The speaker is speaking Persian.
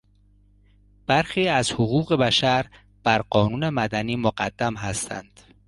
برخی از حقوق بشر بر قانون مدنی مقدم هستند.